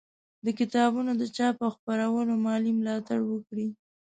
د کتابونو د چاپ او خپرولو مالي ملاتړ وکړئ